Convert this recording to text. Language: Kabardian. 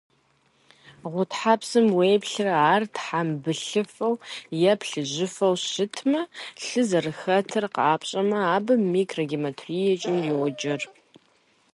Гъутхьэпсым уеплърэ, ар тхьэмбылыфэу е плыжьыфэу щытмэ, лъы зэрыхэтыр къапщӏэмэ, абы макрогематуриекӏэ йоджэр.